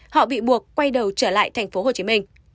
họ bị buộc quay đầu trở lại thành phố hồ chí minh